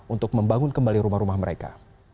untuk membangun kembali rumah rumah mereka